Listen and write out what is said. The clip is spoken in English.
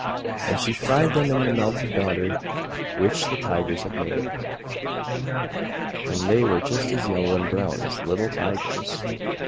And she fried them in the melted butter which the Tigers had made, and they were just as yellow and brown as little Tigers.